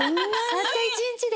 たった一日で。